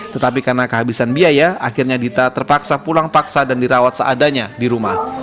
tetapi karena kehabisan biaya akhirnya dita terpaksa pulang paksa dan dirawat seadanya di rumah